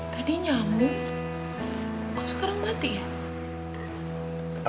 teteh nyambung kau sekarang mati ya